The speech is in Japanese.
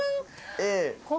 ええ。